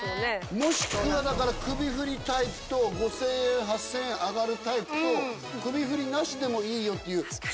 もしくはだから首振りタイプと５０００円８０００円上がるタイプと首振りなしでもいいよっていう２バージョン出すか。